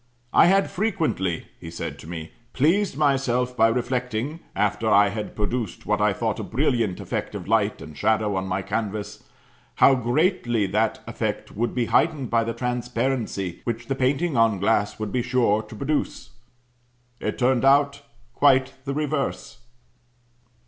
'I had frequently,' he said to me, 'pleased myself by reflecting, after I had produced what I thought a brilliant effect of light and shadow on my canvas, how greatly that effect would be heightened by the transparency which the painting on glass would be sure to produce. It turned out quite the reverse.'"